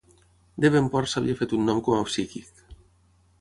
Devenport s'havia fet un nom com a psíquic.